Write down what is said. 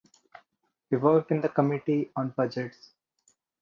He worked in the Committee on Budgets.